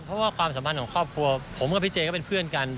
เพราะว่าความสัมพันธ์ของครอบครัวผมกับพี่เจก็เป็นเพื่อนกัน